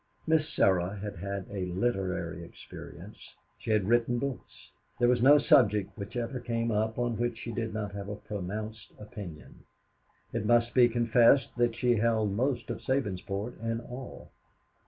Miss Sarah had had a literary experience, she had written books. There was no subject which ever came up on which she did not have a pronounced opinion. It must be confessed that she held most of Sabinsport in awe.